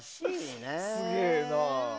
すげえな。